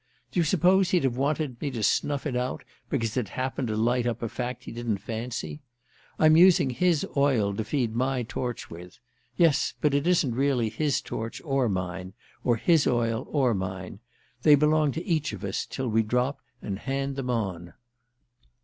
Do you suppose he'd have wanted me to snuff it out because it happened to light up a fact he didn't fancy? I'm using his oil to feed my torch with: yes, but it isn't really his torch or mine, or his oil or mine: they belong to each of us till we drop and hand them on."